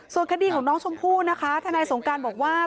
ส่วนคดีของน้องชมพู่นะคะทนายสงการบอกว่า